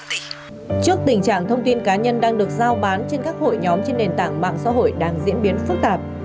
trước tình trạng thông tin cá nhân đang được giao bán trên các hội nhóm trên nền tảng mạng xã hội đang diễn biến phức tạp